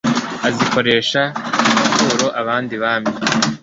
azikoresha ku maturo abandi bami